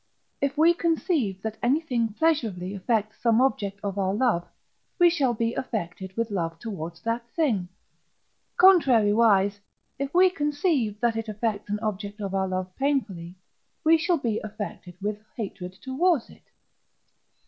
If we conceive that anything pleasurably affects some object of our love, we shall be affected with love towards that thing. Contrariwise, if we conceive that it affects an object of our love painfully, we shall be affected with hatred towards it.